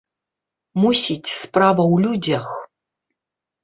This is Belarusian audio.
Мусіць, справа ў людзях.